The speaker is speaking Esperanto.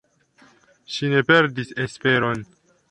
Ŝi ne perdis esperon.